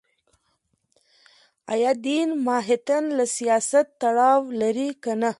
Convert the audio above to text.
ایا دین ماهیتاً له سیاست تړاو لري که نه